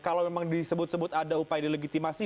kalau memang disebut sebut ada upaya delegitimasi